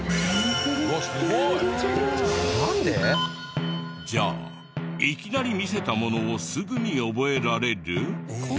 うわっすごい！じゃあいきなり見せたものをすぐに覚えられる？